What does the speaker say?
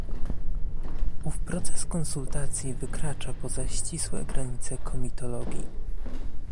Ów proces konsultacji wykracza poza ścisłe granice komitologii